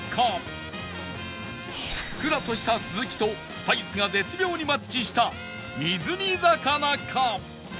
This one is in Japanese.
ふっくらとしたスズキとスパイスが絶妙にマッチした水煮魚か？